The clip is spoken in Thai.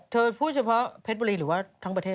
พูดเฉพาะเพชรบุรีหรือว่าทั้งประเทศ